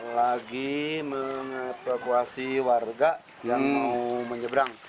lagi mengevakuasi warga yang mau menyeberang